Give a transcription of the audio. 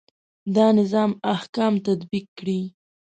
دا نظام احکام تطبیق کړي.